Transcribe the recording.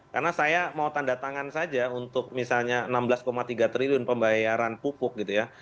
karena saya mau tanda tangan saja untuk misalnya enam belas tiga triliun pembayaran pupuk gitu ya